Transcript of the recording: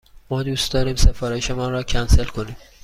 ما دوست داریم سفارش مان را کنسل کنیم.